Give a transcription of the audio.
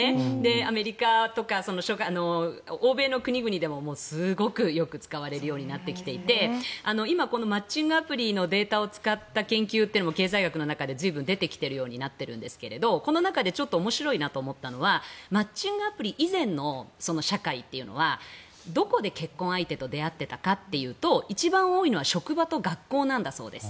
アメリカとか欧米の国々でもすごくよく使われるようになってきていて今、このマッチングアプリのデータを使った研究は経済学の中で随分出てきているようになっているんですがこの中でちょっと面白いなと思ったのはマッチングアプリ以前の社会というのはどこで結婚相手と出会っていたかというと一番多いのは職場と学校なんだそうです。